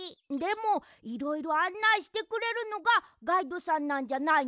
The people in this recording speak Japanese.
でもいろいろあんないしてくれるのがガイドさんなんじゃないの？